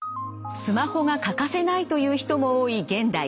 スマホが欠かせないという人も多い現代。